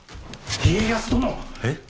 家康殿！え？